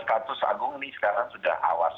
status agung ini sekarang sudah awas